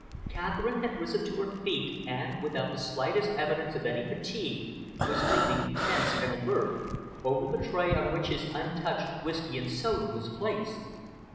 Catherine had risen to her feet and, without the slightest evidence of any fatigue, was leaning, tense and alert, over the tray on which his untouched whisky and soda was placed.